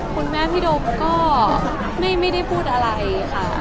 คุณแม่พี่โดมก็ไม่ได้พูดอะไรค่ะ